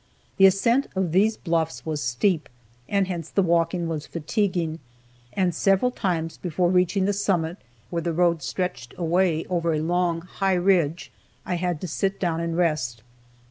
The ascent of these bluffs was steep, and hence the walking was fatiguing, and several times before reaching the summit where the road stretched away over a long, high ridge, I had to sit down and rest.